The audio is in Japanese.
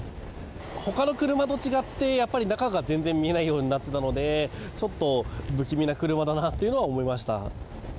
ほかの車と違って、中が全然見えないようになってたので、ちょっと不気味な車だなっていうのは思いました。